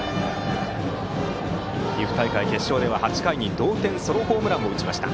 岐阜大会決勝では８回に同点ソロホームランも打ちました。